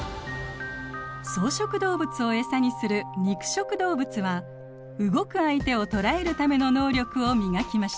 草食動物をエサにする肉食動物は動く相手を捕らえるための能力を磨きました。